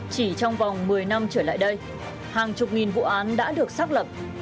chỉ trong vòng một mươi năm trở lại đây hàng chục nghìn vụ án đã được xác lập